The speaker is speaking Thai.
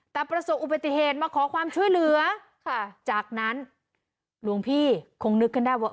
แต่ประสบอุบัติเหตุมาขอความช่วยเหลือค่ะจากนั้นหลวงพี่คงนึกขึ้นได้ว่า